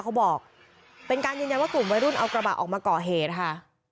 เขาบอกเป็นการยืนยันว่ากลุ่มวัยรุ่นเอากระบะออกมาก่อเหตุค่ะ